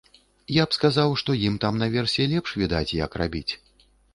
Я б сказаў, што ім там наверсе лепш відаць, як рабіць.